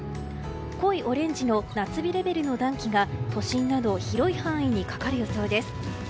濃いオレンジの夏日レベルの暖気が都心など広い範囲にかかる予想です。